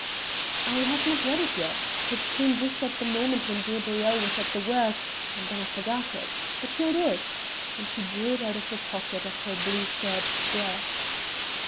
"I have not read it yet; it came just at the moment when Gabrielle was at the worst and then I forgot it but here it is...." and she drew it out of the pocket of her blue serge dress.